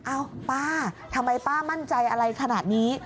อ้าวป้าทำไมป้ามั่นใจอะไรขนาดนี้